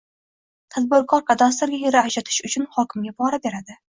Tadbirkor kadastrga yer ajratish uchun hokimga pora beradi